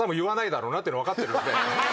だろうなっていうのが分かってるんで。